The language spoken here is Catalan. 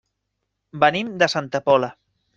Venim de Santa Pola.